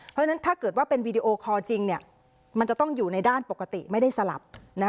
เพราะฉะนั้นถ้าเกิดว่าเป็นวีดีโอคอลจริงมันจะต้องอยู่ในด้านปกติไม่ได้สลับ